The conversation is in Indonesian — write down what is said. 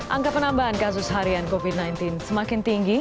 angka penambahan kasus harian covid sembilan belas semakin tinggi